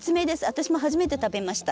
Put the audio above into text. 私も初めて食べました。